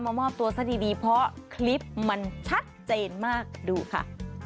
มอบตัวซะดีเพราะคลิปมันชัดเจนมากดูค่ะ